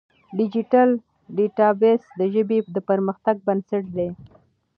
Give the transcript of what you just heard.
ډیجیټل ډیټابیس د ژبې د پرمختګ بنسټ دی.